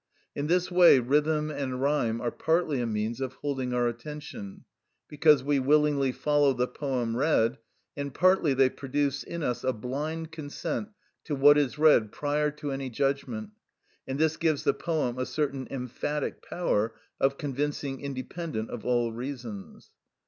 In this way rhythm and rhyme are partly a means of holding our attention, because we willingly follow the poem read, and partly they produce in us a blind consent to what is read prior to any judgment, and this gives the poem a certain emphatic power of convincing independent of all reasons.